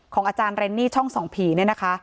อาจารย์เรนนี่ช่องส่องผีเนี่ยนะคะ